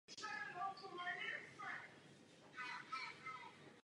Zasedal v obecním zastupitelstvu a byl starostou obce.